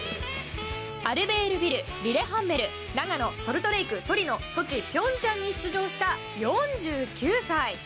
アルベールビル、リレハンメル長野、ソルトレークトリノ、ソチ、平昌に出場した４９歳。